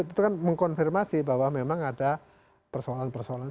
itu kan mengkonfirmasi bahwa memang ada persoalan persoalan